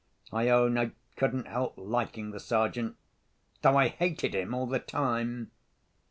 I own I couldn't help liking the Sergeant—though I hated him all the time.